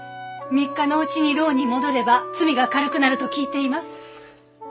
３日のうちに牢に戻れば罪が軽くなると聞いています。